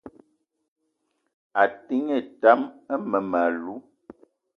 A te ngne tam mmem- alou